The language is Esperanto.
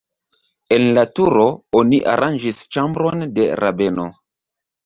En la turo oni aranĝis ĉambron de rabeno.